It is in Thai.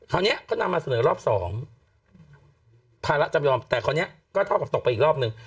คราวนี้ก็นำมาเสนอรอบสองภาระจำยอมแต่คราวนี้ก็เท่ากับตกไปอีกรอบนึง